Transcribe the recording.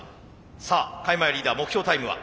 さあ開米リーダー目標タイムは？